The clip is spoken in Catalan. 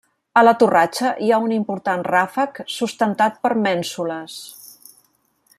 A la torratxa hi ha un important ràfec sustentat per mènsules.